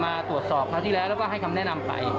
มาตรวจสอบคราวที่แล้วแล้วก็ให้คำแนะนำไป